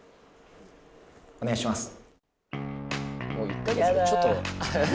お願いします。